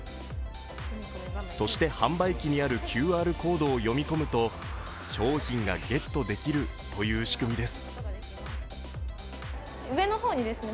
そして販売機にあるＱＲコードを読み込むと商品がゲットできるという仕組みです。